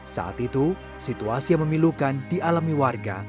saat itu situasi yang memilukan dialami warga